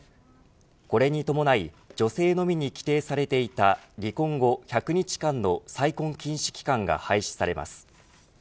これに伴い女性のみに規定されていた離婚後１００日間の再婚禁止期間が廃止されます。